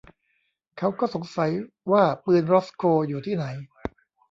เขาก็สังสัยว่าปืนรอสโคอยู่ที่ไหน